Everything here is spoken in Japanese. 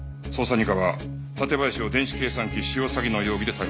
二課は館林を電子計算機使用詐欺の容疑で逮捕した。